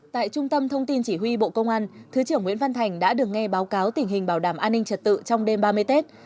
tại trung tâm thông tin chỉ huy bộ công an thứ trưởng nguyễn văn thành đã được nghe báo cáo tình hình bảo đảm an ninh trật tự trong đêm ba mươi tết